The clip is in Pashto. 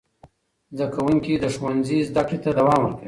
زدهکوونکي د ښوونځي زدهکړې ته دوام ورکوي.